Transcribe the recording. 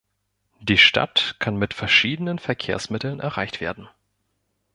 Die Stadt kann mit verschiedenen Verkehrsmitteln erreicht werden.